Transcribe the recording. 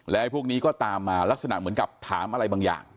แล้วพวกนี้ก็ตามมาเหมือนถามอะไรบางอย่าง